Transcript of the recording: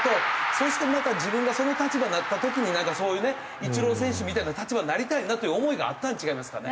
そしてまた自分がその立場なった時にそういうねイチロー選手みたいな立場になりたいなっていう思いがあったん違いますかね。